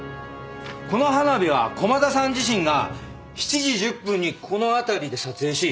この花火は駒田さん自身が７時１０分にこの辺りで撮影し。